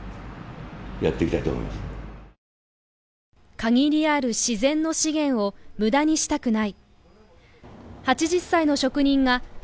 限りある自然の資源を無駄にしたくない。